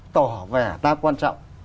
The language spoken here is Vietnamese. tỏ vẻ ta quan trọng